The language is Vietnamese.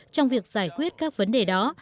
trong việc giải quyết các vấn đề đó